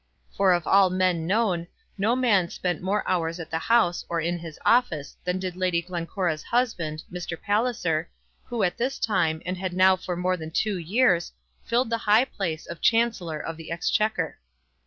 For of all men known, no man spent more hours at the House or in his office than did Lady Glencora's husband, Mr. Palliser, who at this time, and had now for more than two years, filled the high place of Chancellor of the Exchequer.